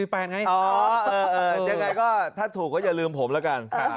ยังไงก็ถ้าถูกก็อย่าลืมผมแล้วกัน